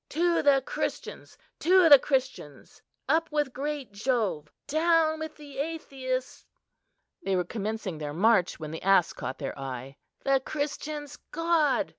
To the Christians! to the Christians! Up with great Jove, down with the atheists!" They were commencing their march when the ass caught their eye. "The Christians' god!"